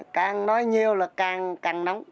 càng nói nhiều là càng nóng